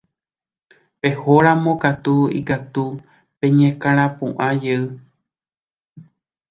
Pehóramo katu, ikatu peñakãrapu'ãjey.